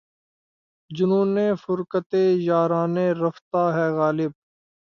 جنونِ فرقتِ یارانِ رفتہ ہے غالب!